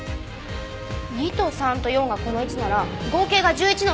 ２と３と４がこの位置なら合計が１１の三角が作れます。